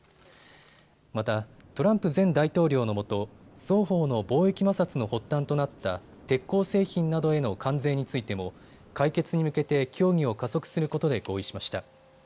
また、トランプ前大統領のもと双方の貿易摩擦の発端となった鉄鋼製品などへの関税についても解決に向けて協議を加速することで合意しました。